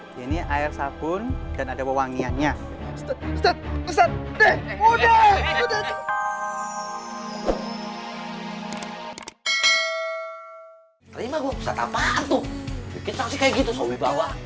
terima gua ustadz apaan tuh bikin sanksi kayak gitu sobi bawa